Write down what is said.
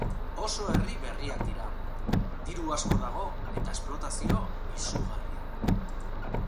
Oso herri berriak dira, diru asko dago, eta esplotazio izugarria.